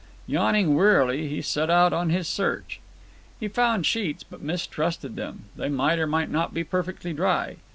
Yawning wearily he set out on his search. He found sheets, but mistrusted them. They might or might not be perfectly dry.